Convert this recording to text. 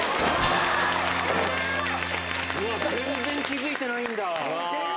うわっ、全然気付いてないんだ。